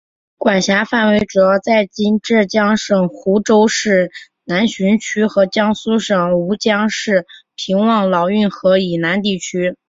管辖范围主要在今浙江省湖州市南浔区和江苏省吴江市平望老运河以南地区。